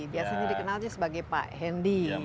biasanya dikenalnya sebagai pak hendy